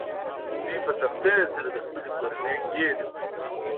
دوی په سختۍ سره د خپلې کورنۍ ګېډه مړوي